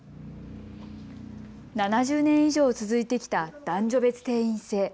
７０年以上続いてきた男女別定員制。